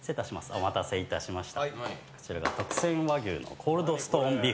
お待たせいたしました。